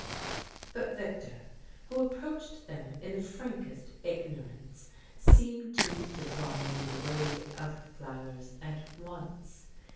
But Victor, who approached them in the frankest ignorance, seemed to divine the ways of flowers at once.